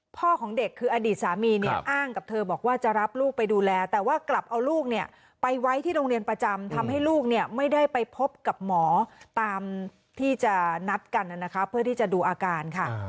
ของเด็กคืออดีตสามีเนี่ยอ้างกับเธอบอกว่าจะรับลูกไปดูแลแต่ว่ากลับเอาลูกเนี่ยไปไว้ที่โรงเรียนประจำทำให้ลูกเนี่ยไม่ได้ไปพบกับหมอตามที่จะนัดกันนะคะเพื่อที่จะดูอาการค่ะ